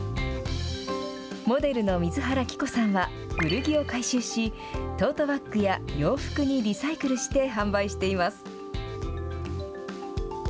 モデルの水原希子さんは古着を回収しトートバッグや洋服にリサイクルして販売しています。